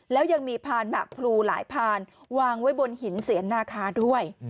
แล้วยังมีพานหมากพลูหลายพานวางไว้บนหินเสียนนาคาด้วย